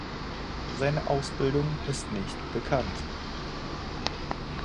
Seine Ausbildung ist nicht bekannt.